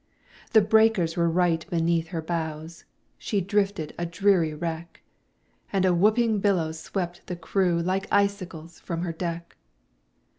The breakers were right beneath her bows, She drifted a dreary wreck, And a whooping billow swept the crew Like icicles from her deck.